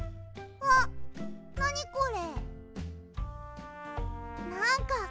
あっなにこれ！？